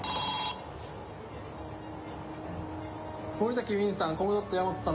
森崎ウィンさん